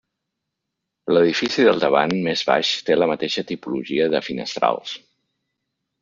L'edifici del davant, més baix, té la mateixa tipologia de finestrals.